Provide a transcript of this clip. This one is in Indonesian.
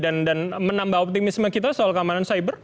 dan menambah optimisme kita soal keamanan cyber